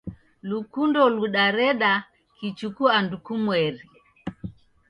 lukundo ludareda kichuku andu kumweri.